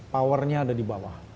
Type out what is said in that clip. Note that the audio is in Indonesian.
powernya ada di bawah